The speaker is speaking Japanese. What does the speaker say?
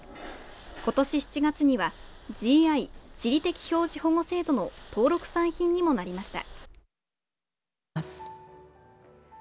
今年７月にはＧＩ＝地理的表示保護制度の登録産品にもなりました。